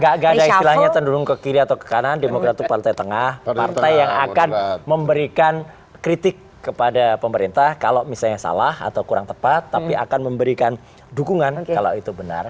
gak ada istilahnya cenderung ke kiri atau ke kanan demokrat itu partai tengah partai yang akan memberikan kritik kepada pemerintah kalau misalnya salah atau kurang tepat tapi akan memberikan dukungan kalau itu benar